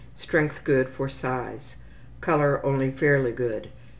Strength good for size. Color only fairly good.